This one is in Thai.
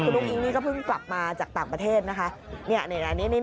คุณอุ้งอิงนี่ก็เพิ่งกลับมาจากต่างประเทศนะคะ